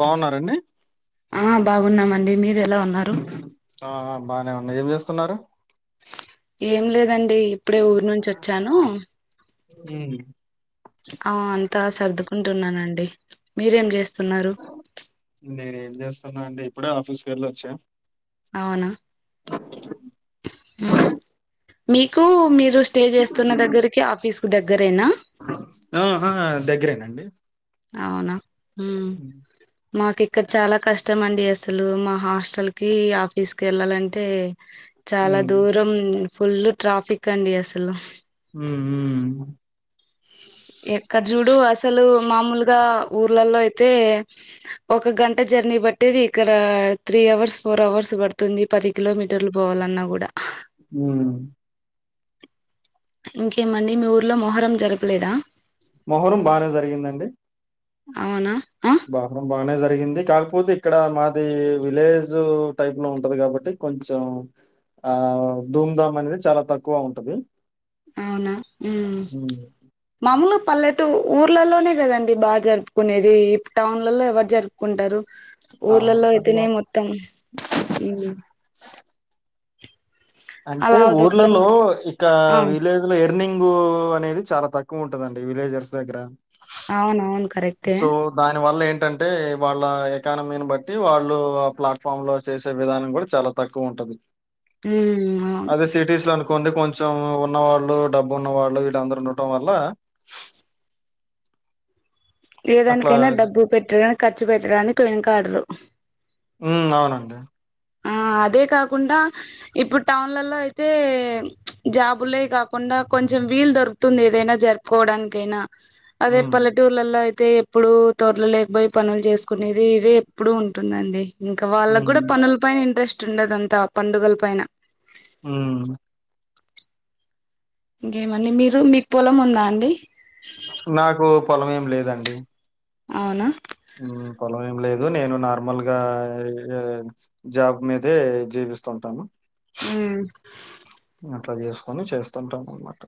బావున్నారండి. ఆ బాగున్నామండి. మీరు ఎలా ఉన్నారు? ఆ బానే ఉంది. ఏం చేస్తున్నారు? ఏం లేదండి ఇప్పుడే ఊరు నుంచి వచ్చాను. ఉ అవు అంతా సర్దుకుంటున్నానండి. మీరేం చేస్తున్నారు? నేను ఏం చేస్తున్నా అండి ఇప్పుడే ఆఫీస్కి వెళ్ళొచ్చా. అవునా మీకు మీరు స్టే చేస్తున్న దగ్గరికి ఆఫీస్ కు దగ్గరేనా. ఆహా దగ్గరేనండి. అవునా ఉమ్ ఉ మాకు ఇక్కడ చాలా కష్టం అండి అస్సలు మా హాస్టల్ కి ఆఫీస్ కి వెళ్ళాలంటే. మ్మ్ చాలా దూరం ఫుల్ ట్రాఫిక్ అండి అసలు మ్మ్ హ్మ్ ఎక్కడ చూడు అసలు మామూలుగా ఊర్లలో అయితే ఒక గంట జర్నీ బట్టేది ఇక్కడ త్రీ అవర్స్ ఫోర్ అవర్స్ పడుతుంది పది కిలోమీటర్లు పోవాలన్నా కూడా మ్మ్ ఇంకేమండి మీ ఊరిలో మొహరం జరపలేదా మొహరం బానే జరిగిందండి అవునా ఆ మొహరం బానే జరిగింది కాకపోతే ఇక్కడ మాది విలేజు టైప్ లో ఉంటది కాబట్టి కొంచెం ఆ ధూంధామ్ అనేది చాలా తక్కువ ఉంటది అవునా మ్మ్ ఉమ్ మామూలు పల్లెటూ ఊర్లలోనే కదండి బా జరుపుకునేది ఇ టౌన్లలో ఎవరు జరుపు ఉంటారు ఊర్లలో టౌన్లలో అయితేనే మొత్తం మ్మ్ అంటే అలా ఉదొక్కడం ఊర్లలో ఇక ఆ వీలే అందులో ఎర్నింగ్ అనేది చాలా తక్కువ ఉంటదండి విలేజర్స్ దగ్గర ఆవునూన్ కరెక్ట్ సో దాని వల్ల ఏంటంటే వాళ్ళ ఎకానమీని బట్టి వాళ్ళు ఆ ప్లాట్ఫామ్ లో చేసే విధానం కూడా చాల తక్కువ ఉంటది ఉమ్ అవును అదే సిటీస్ లో అనుకు కోండి కొంచెం ఉన్న వాళ్ళు డబ్బు ఉన్న వాళ్ళు వీళ్ళందరు ఉండటం వల్ల అట్లా ఏదానికైనా డబ్బు పెట్టగానే ఖర్చు పెట్టడానికి వెనకాడరు మ్మ్ అవునండి ఆ అదే కాకుండా ఇప్పుడు టౌన్లలో అయితే జాబులే కాకుండా కొంచెం వీలు దొరుకు తుంది ఏదైనా జరుపుకోవడానికైనా అదే హ్మ్. పల్లెటూరు టూల్లలో అయితే ఎప్పుడు తోటల్లేకి పోయి పనులు చేసుకునేది ఇదే ఎప్పుడు ఉంటుందండి ఇంకా వాళ్ళకి కూడా హ్మ్. పనుల పైన ఇంట్రెస్ట్ ఉండదంతా పండుగల పైన మ్మ్ ఇంకేమండి మీరు మీకు పొలం ఉందా అండి నాకు పొలం ఏం లేదండి అవునా పొలం ఏం లేదు నేను నార్మల్గా ఆ జాబ్ మీదే జీవిస్తుంటాను మ్మ్ అట్లా చేసుకొని చేస్తుంటాం అనమాట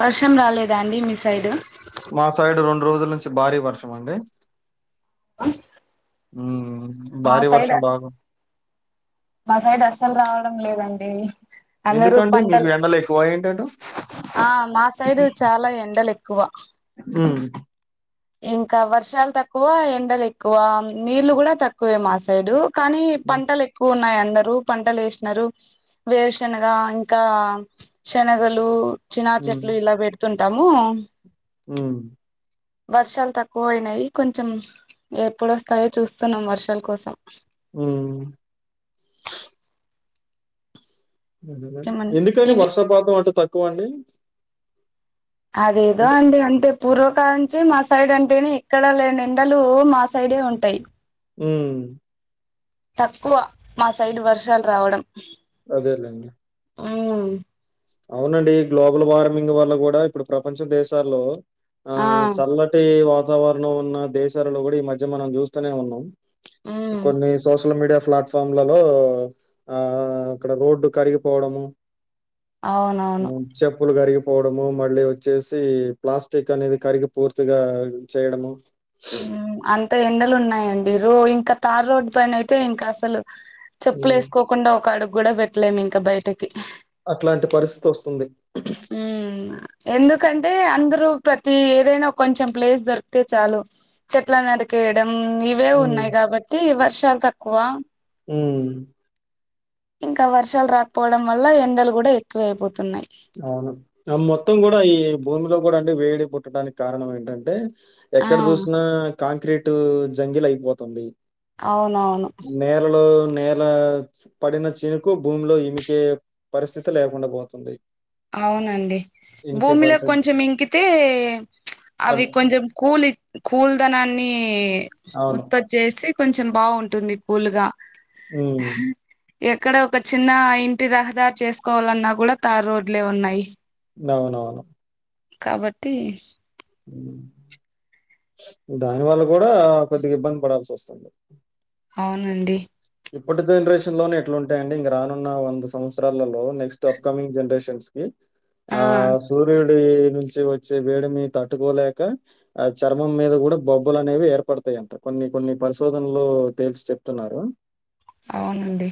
వర్షం రాలేదా అండి మీ సైడు మా సైడు రొండు రోజుల నుంచి భారీ వర్షం అండి ఆ మ్మ్ భారీ వర్షం బాగున్ మా సైడ్ అస్సలు రావడం లేదండి అందరూ ఎందుకండి మీకు పంటలు ఎండలెక్కువ ఏంటంట ఆ మా సైడు చాలా ఎండలు ఎక్కువ మ్మ్ ఇంకా వర్షాలు తక్కువ ఎండలు ఎక్కువ నీళ్లు కూడా తక్కువే మా సైడు కానీ హ్మ్. పంటలు ఎక్కువ ఉన్నాయి అందరు పంటలు వేసినారు. వేరుశనగ ఇంకా శనగలు చినా హ్మ్. చెట్లు ఇలా పెడుతుంటాము. ఉ వర్షాలు తక్కువ అయినాయి కొంచెం ఎప్పుడోస్తాయో చూస్తున్నాం వర్షాల కోసం. మ్ ఏమండి ఎందుకండి ఇవి వర్షపాతం అటు తక్కువ అండి. అదేదో అంటే అండి అంతే పూర్వకాలంచి మా సైడ్ అంటేనే ఎక్కడ లేని ఎండలు మా సైడే ఉంటాయి మ్ తక్కువ మా సైడ్ వర్షాలు రావడం అదే లేండి ఉమ్ అవునండి గ్లోబల్ వార్మింగ్ వల్ల కూడా ఇప్పుడు ప్రపంచ దేశాల్లో ఆ చల్ల టే వాతావరణం ఉన్న దేశాలలో కూడా ఈ మధ్య మనం చూస్తూనే ఉన్నాం ఉమ్ కొన్ని సోషల్ మీడియా ప్లాట్ఫా ఫామ్ లలో ఆ అక్కడ రోడ్డు కరిగిపోవడము. అవునవును హ్మ్. చెప్పులు కరిగిపోవడము మళ్ళీ వచ్చేసి ప్లాస్టిక్ అనేది కరిగి పూర్తిగా చేయడము. అంత ఎండలు ఉన్నాయండి రో ఇంకా తార్ రోడ్డు పైన అయితే ఇంకా అసలు చెప్పులు హ్మ్. వేసుకోకుండా ఒక అడుగు కూడా పెట్టలేము ఇంకా బయటకి అట్లాంటి పరిస్థితి వస్తుంది. ఉ ఎందుకంటే అందరు ప్రతి ఏదైనా కొంచెం ప్లేస్ దొరికితే చాలు చెట్లను నరికేయడం ఇవే హ్మ్. ఉన్నాయి కాబట్టి వర్షాలు తక్కువ ఉ ఇంకా వర్షాలు రాకపోవడం వల్ల ఎండలు కూడా ఎక్కువ అయిపోతున్నాయి. అవును మొత్తం కూడా ఈ భూమిలో కూడా అంటే వేడి పుట్టడానికి కారణం ఏంటంటే ఆ ఎక్కడ చూసినా కాంక్రీట్ జంగిల్ అయిపోతుంది. అవునవును నేలలు నేల పడిన చినుకు భూమిలో ఇమికే పరిస్థితి లేకుండా పోతుంది. అవునండి ఇనికే భూమిలో కొంచెం పరిస్థితి ఇంకితే అవి అవ్ కొంచెం కూలి కూల్ధనాన్ని అవును. ఉత్పత్తి చేసి కొంచెం బాగుంటుంది. కూలుగా హ్మ్. ఎక్కడ ఒక చిన్న ఇంటి రహదారు చేసుకోవాలన్నా కూడా తార్ రోడ్ ఇలే ఉన్నాయి. నవునవును కాబట్టి దాని వల్ల కూడా కొద్దిగా ఇబ్బంది పడాల్సి వస్తుంది. అవునండి. ఇప్పటి జనరేషన్ లోనే ఇట్లు ఉంటాయండి ఇంక రానున్న వంద సంవత్సరాలలో నెక్స్ట్ అప్కమింగ్ జనరేషన్స్ ఆ సూర్యుడి నుంచి వచ్చే వేడిని తట్టుకోలేక ఆ చర్మం మీద కూడా బొబ్బులు అనేవి ఏర్పడతాయి. కొన్ని కొన్ని పరిశోధనలొ తేల్సి చెప్తున్నారు. అవునండి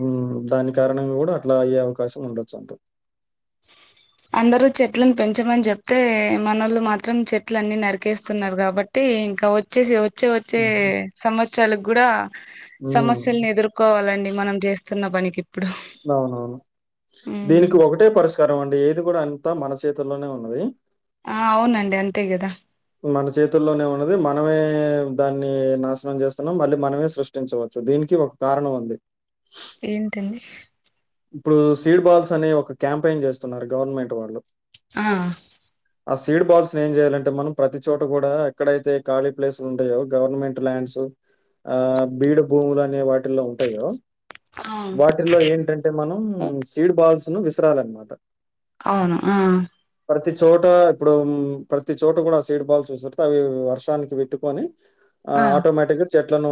మ్ దాని కారణంగుడా అట్లా అయ్యే అవకాశం ఉండొచ్న్ట [inaudible] అందరు చెట్లన్ పెంచమని చెప్తే, మనోళ్లు మాత్రం చెట్లన్ని నరికేస్తున్నారు గాబట్టి ఇంకా వ. చేసి వచ్చే వచ్చే హుహు. సంవత్సరాల్కూడా హ్మ్. సమస్యల్ని ఎదుర్. కోవాలండి మనం చేస్తున్న పనికి ఇప్పుడు అవునవును ఉమ్ దీనికి ఒకటే పరిష్కారం అండి ఏది కూడా అంతా మన చేతుల్లోనే ఉన్నది. ఆ అవునండి అంతే కదా మన చేతుల్లోనే ఉన్నది మనమే దాన్ని నాశనం చేస్తున్నాం. మళ్ళీ మనమే సృష్టించవచ్చు దీనికి ఒ. కారణమ్వుంది ఏంటండీ ఇప్పుడు సీడ్ బాల్స్ని ఒక క్యాంపెయిన్ చేస్తున్నారు గవర్నమెంట్ వాళ్ళు ఆ హ ఆ ఆ సీడ్ బాల్స్ నేమ్ జెయాలంటే మనం, ప్రతి చోట కూడా ఎక్కడైతే ఖాళీ ప్లేసులుంటయో, గవర్నమెంట్ ల్యాండ్స్. ఆ బీడు భూములు అనే వాటిల్లో ఉంటాయో అవును [unintelligible] ల్లో ఏంటంటే మనం సీడ్ బాల్స్ ను విసరాలన్మాట అవును ఆ ప్రతి చోట ఇప్పుడు మ్ ప్రతి చోట కూడా సీడ్ బాల్స్ విసుర్తే అవి వర్షానికి విత్తుకొని. ఆ ఆటోమేటిక్గా చెట్లను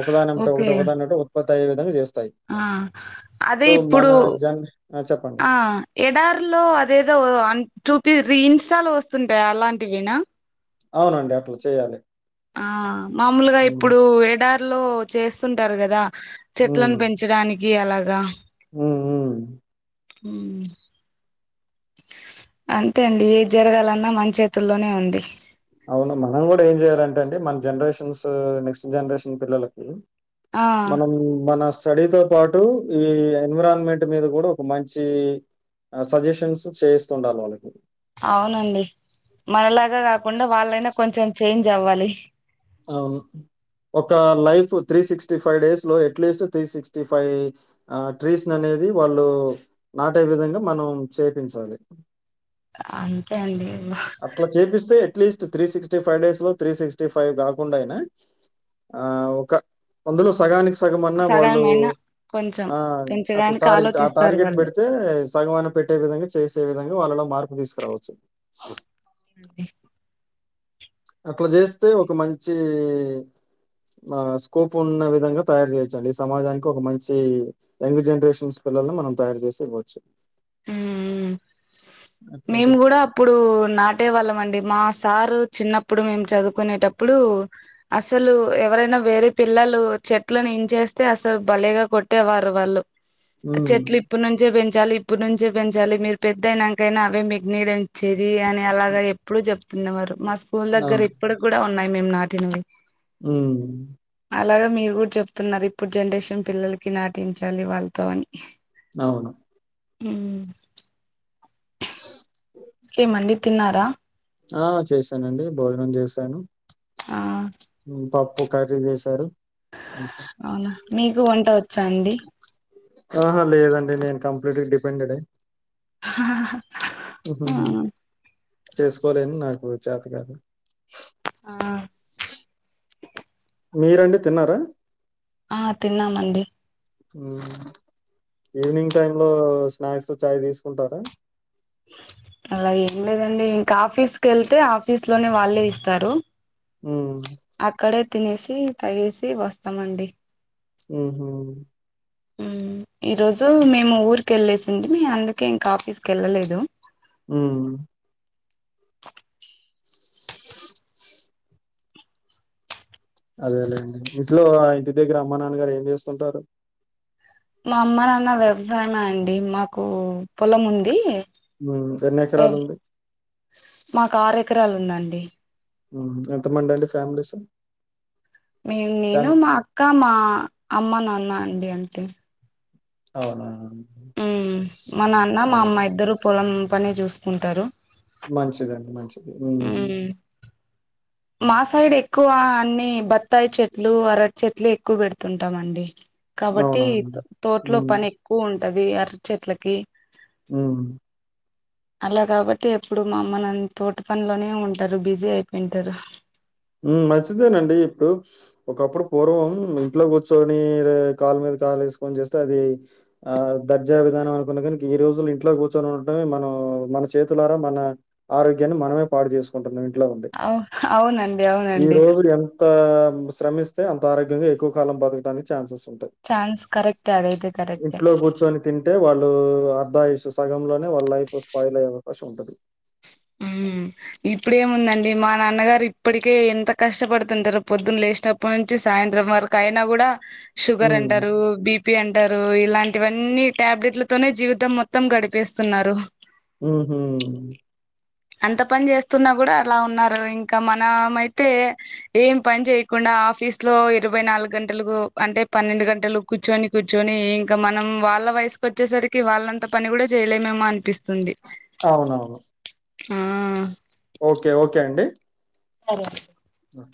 ఒకదానేమ్మట ఒకటి ఓకే ఒకదానోకటి ఓ. కొత్తయే విధంగా జేస్తాయి ఆ అదే సో, మన ఇప్పుడు జన్ ఆ! చెప్పండి. ఆ ఎడార్లో అదేదో అన్ చూపి రీ ఇన్స్టాలో వస్తుంటాయి అలాంటివెనా. అవునండి అట్లా చేయాలి ఆ మామూలుగా హ్మ్. ఇప్పుడు ఏడార్లో చేస్తుంటారు గదా! చెట్లను పెన్. చడానికి అలాగా ఉ ఉ హు మ్ అన్తేన్డి ఏద్ జరగాలన్నా మన్చేతుల్లోనే ఉంది అవును మనం కూడా ఏం జెయాలంటెన్డి మన్ జన్రేషన్స్, నెక్స్ట్ జన్రేషన్ పిల్లలకి. ఆ మనం మన స్టడీతో పాటు ఈ ఎన్విరాన్మెంట్ మీద కూడా ఒక మంచి అ సజెషన్స్ చేస్తుండాల వాళ్ళకి అవునండి మనలాగా గాకుండా వాళ్ళైనా కొంచెం చేంజ్ అవ్వాలి. అవును ఒక life three sixty five days లో ఎట్లీస్ట్ త్రీ సిక్స్టీ ఫైవ్. ఆ ట్రీస్ననేది వాళ్ళు నాటే విధంగా మనం చేపించాలి. అంతే అండి వా [unintelligible] అట్లా చేపిస్తే at least three sixty five days లో త్రీ సిక్స్టీ ఫైవ్ కాకుండైనా ఆ ఒక అందులో సగానికి స తగమన్న వాళ్ళు సగమైనా కొంచెం ఆ అట్లా పెంచడానికి టార్గెట్ ఆ ఆలోచిస్తారు టార్గెట్ వాళ్ళు బెడి తే సగమన్న పెట్టే విధంగా చేసే విధంగా వాళ్ళలో మార్పు తీసుకురావచ్చు. అవునండి అట్ల చేస్తే ఒక మంచి ఆ స్కోప్ ఉన్న విధంగా తయారు చేయొచ్చండి సమాజానికి ఒక మంచి యంగ్ జనరేషన్స్ పిల్లల్ని మనం తయారు చేసి ఇవ్వచ్చు నేను అట్లుంటది. కూడా ప్పుడు నాటే వాళ్ళం అండి మా సారు చిన్నప్పుడు మేం చదువుకునేటప్పుడు అసలు ఎవరైనా వేరే పిల్లలు చెట్లని ఇంచేస్తే అసలు భలేగా కొట్టేవారు వాళ్ళు హ్మ్. చెట్లు ఇప్పుడు నుంచే పెంచాలి ఇప్పుడు నుంచే పెంచాలి మీరు పెద్ద అయినాంకైనా అవే మీకు నీడని చేది అని అలాగ ఎప్పుడూ చెప్తుండేవారు మా స్కూల్ దగ్గర అవును. ఇప్పుడికి కూడా ఉన్నాయి మేం నాటినవి ఊ అలాగే మీరు కూడా చెప్తున్నారు ఇప్పుడు జనరేషన్ పిల్లలకి నాటించాలి వాళ్ళతో అని అవును ఊ స కే మళ్ళీ తిన్నారా ఆ చేశానండి భోజనం చేసాను ఆ ఊ పప్పు కర్రీ చేసారు అవునా మీకు వంట వచ్చా అండి ఆహా లేదండి నేను కంప్లీట్ గా డిపెండెడ్ ఏ చేసుకోలేను నాకు చాత కాదు ఆ మీరండి తిన్నారా ఆ తిన్నామండి ఈవినింగ్ టైమ్ లో స్నాక్స్ చాయ్ తీసుకుంటారా అలా ఏం లేదండి ఇంకా ఆఫీస్ కెళ్తే ఆఫీస్ లోనే వాళ్ళే ఇస్తారు ఊ అక్కడే తినేసి తగేసి వస్తమండి ఊహూ ఉమ్ ఈరోజు మేము ఊరికి ఎళ్ళేసింటిమి అందుకే ఇంక ఆఫీస్కి ఎళ్ళలేదు ఊ అదేలేండి ఇంట్లో ఇంటి దగ్గర అమ్మ నాన్నగారు ఏం చేస్తుంటారు మా అమ్మ నాన్న వ్యవసాయమే అండి మాకు పొలం ఉంది మింత్ ఎన్ని ఎకరాలు వ్యవసా ఉంది మాకు ఆరు ఎకరాలు ఉందండి ఊహూ ఎంత మంది అండి ఫ్యామిలీసు మీన్ నేను మా అక్క మా అమ్మ నాన్న అండి అంతే అవునా ఉమ్ మా నాన్న మా అదే. అమ్మ ఇద్దరూ పొలం పనే చూసుకుంటారు మంచిదండి మంచిది ఊమ్ ఉమ్ మా సైడ్ ఎక్కువ అన్నీ బత్తాయి చెట్లు అరటి చెట్లే ఎక్కువ పెడుతుంటామండి కాబట్టి అవునవును. తో తోటలో హ్మ్. పని ఎక్కువ ఉంటది అరటి చెట్లకి ఊ అలా కాబట్టి ఎప్పుడూ మా అమ్మ నాన్న తోట పనిలోనే ఉంటారు బిసీ అయిపోయిన్ ద్దరు హ్ మంచిదేనండి ఇప్పుడు ఒకప్పుడు పూర్వం ఇంట్లో కూర్చొని కాలు మీద కాలు వేసుకొని చేస్తే అది ఆ దర్జా విధానం అనుకున్న కనుక ఈ రోజులు ఇంట్లో కూర్చొని ఉండటమే మనం మన చేతులారా మన ఆరోగ్యాన్ని మనమే పాడు చేసుకుంటున్నాం ఇంట్లో ఉండి అవు అవునండి అవునండి అ శ్రమిస్తే అంత ఆరోగ్యంగా ఎక్కువ కాలం బతకడానికి ఛాన్సెస్ ఉంటాది చాన్స్ కరెక్ట్ అదైతే కరెక్ట్ కూర్చొని తింటే వాళ్ళు అర్ధాయుసు సగంలోనే వాళ్ళ లైఫ్ స్పాయిల్ అయ్యే అవకాశం ఉంటది. ఉ ఇప్పుడేముందండి మా నాన్నగారు ఇప్పటికే ఎంత కష్టపడుతుంటారు. పొద్దున్న లేసినప్పుడు అప్పటి నుంచి సాయంత్రం వరకు అయినా కూడా షుగర్ హ్మ్. అంటారు బి తప్పి అంటారు. ఇలాంటివన్నీ టాబ్లెట్ల తనే జీవితం మొత్తం గడిపేస్తున్నారు ఉహ్ అంత పని చేస్తున్నా కూడా అలా ఉన్నారు ఇంకా మనము అయితే ఏం పని చేయ్యకుండా ఆఫీస్ లో ఇరవై నాలుగు గంటలులకు అంటే పన్నెండు గంటలు కూర్చొని కూర్చొని ఇంకా మనం వాళ్ళ వయసుకు వచ్చేసరికి వాళ్ళంత పని కూడా చేయలేమేమో అనిపిస్తుంది అవునవును ఆ ఓకే ఓకే అండి సరే ఓకే